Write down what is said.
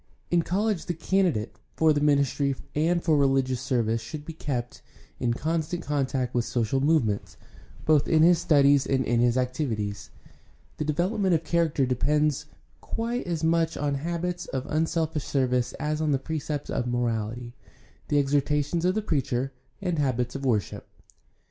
— In college the candidate for the ministry and for religious service should be kept in constant contact with social movements, both in his studies and in his activities. The development of character depends quite as much on habits of unselfish service as on the precepts of morality, the exhortations of the preacher, and habits of worship.